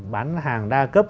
bán hàng đa cấp